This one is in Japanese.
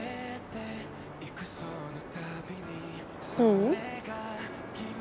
ううん。